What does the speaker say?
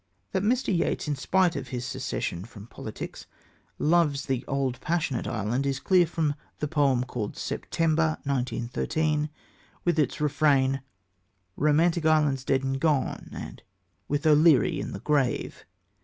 That Mr. Yeats, in spite of his secession from politics, loves the old passionate Ireland, is clear from the poem called September, 1913, with its refrain: Romantic Ireland's dead and gone And with O'Leary in the grave.